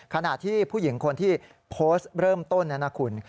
ขณะที่ผู้หญิงคนที่โพสต์เริ่มต้นนะคุณ